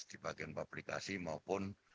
di bagian publikasi maupun